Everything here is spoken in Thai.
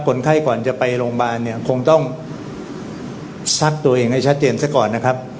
คนไข้ก่อนจะไปโรงพยาบาลเนี่ยคงต้องซักตัวเองให้ชัดเจนซะก่อนนะครับ